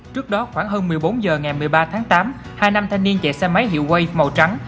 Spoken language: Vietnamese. trước đó khoảng hơn một mươi bốn h ngày một mươi ba tháng tám hai nam thanh niên chạy xe máy hiệu quay màu trắng